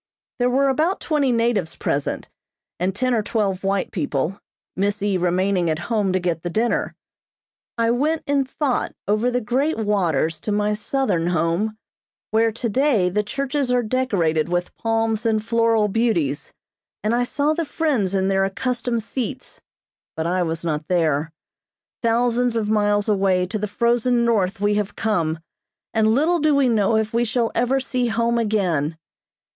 There were about twenty natives present, and ten or twelve white people, Miss E. remaining at home to get the dinner. I went in thought over the great waters to my southern home, where today the churches are decorated with palms and floral beauties, and I saw the friends in their accustomed seats but I was not there. Thousands of miles away to the frozen north we have come, and little do we know if we shall ever see home again.